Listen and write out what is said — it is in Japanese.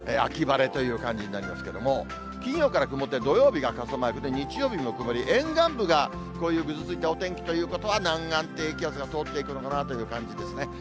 こちらも水曜、木曜は秋晴れという感じになりますけれども、金曜から曇って、土曜日が傘マークで、日曜日も曇り、沿岸部がこういうぐずついたお天気ということは、南岸低気圧が通っていくのかなという感じですね。